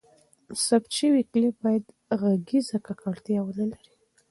ثبت شوی کلیپ باید ږغیزه ککړتیا ونه لري.